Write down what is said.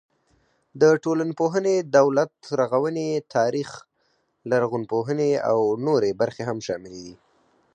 د ټولنپوهنې، دولت رغونې، تاریخ، لرغونپوهنې او نورې برخې هم شاملې دي.